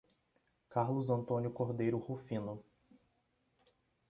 Carlos Antônio Cordeiro Rufino